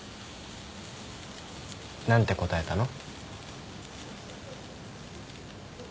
何て答えたの？